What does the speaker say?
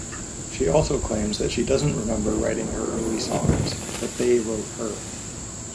She also claims that she doesn't remember writing her early songs-that they wrote her.